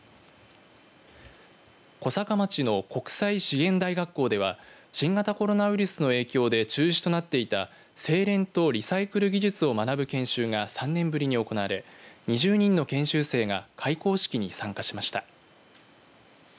小坂町の国際資源大学校では新型コロナウイルスの影響で中止となっていた製錬とリサイクル技術を学ぶ研修が３年ぶりに行われ２０人の研修生が開講式に参加しました。